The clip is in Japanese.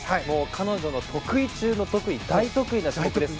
彼女の得意中の得意大得意な種目です。